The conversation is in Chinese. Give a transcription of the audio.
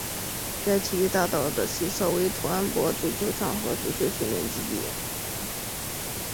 该体育大道的西侧为团泊足球场和足球训练基地。